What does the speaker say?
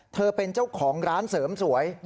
เธอเป็นเจ้าของร้านเสริมสวย